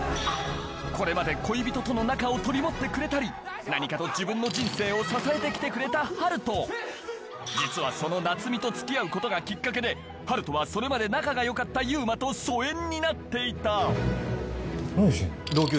これまで恋人との仲を取り持ってくれたり何かと自分の人生を支えて来てくれた春斗実はその奈津美と付き合うことがきっかけで春斗はそれまで仲が良かった勇馬と疎遠になっていた何してんの？